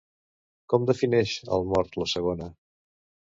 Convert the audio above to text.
Com defineix al mort la segona?